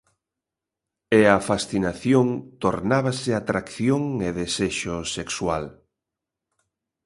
E a fascinación tornábase atracción e desexo sexual.